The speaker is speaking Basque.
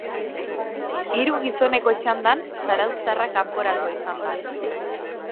Hiru gizoneko txandan, zarauztarra kanporatua izan da.